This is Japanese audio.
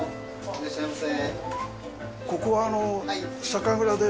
いらっしゃいませ。